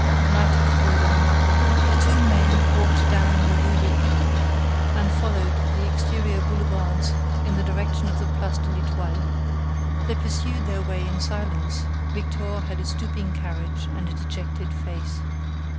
Night had fallen. The two men walked down the rue Lepic and followed the exterior boulevards in the direction of the Place de l'Etoile. They pursued their way in silence; Victor had a stooping carriage and a dejected face.